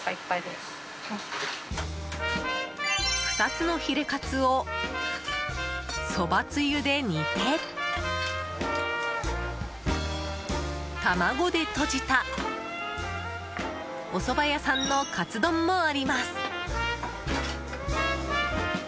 ２つのヒレカツをそばつゆで煮て、卵でとじたおそば屋さんのかつ丼もあります。